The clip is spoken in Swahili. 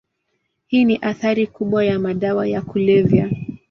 Hii ni athari kubwa ya madawa ya kulevya.